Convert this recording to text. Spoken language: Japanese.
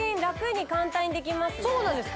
そうなんです